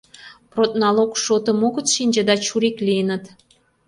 Продналог шотым огыт шинче да чурик лийыныт.